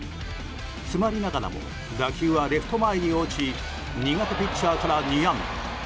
詰まりながらも打球はレフト前に落ち苦手ピッチャーから２安打。